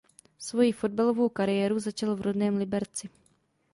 Svoji fotbalovou kariéru začal v rodném Liberci.